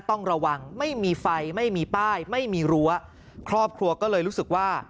ต้องระวังไม่มีไฟไม่มีป้ายไม่มีรั้วครอบครัวก็เลยรู้สึกว่า